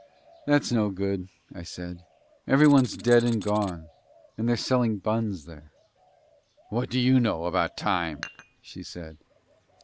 "That's no good," I said. "Everyone's dead and gone, and they're selling buns there." "What do you know about Time?" she said.